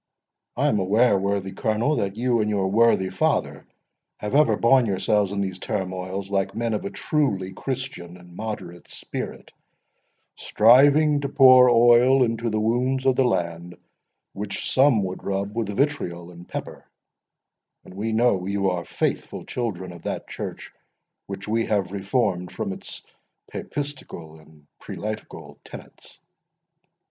I am aware, worthy Colonel, that you and your worthy father have ever borne yourselves in these turmoils like men of a truly Christian and moderate spirit, striving to pour oil into the wounds of the land, which some would rub with vitriol and pepper: and we know you are faithful children of that church which we have reformed from its papistical and prelatical tenets."